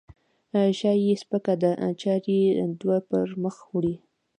شا یې سپکه ده؛ چارې دوی پرمخ وړي.